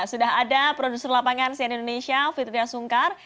sudah ada produser lapangan sian indonesia fitriya sungkar